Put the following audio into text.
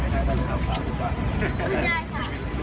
แข็งกันดื่มให้ดื่มคนกันค่ะ